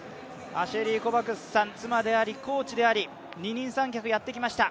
アシェリー・コバクスさん、妻であり、コーチであり、二人三脚、やってきました。